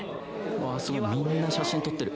すごい、みんな写真撮ってる。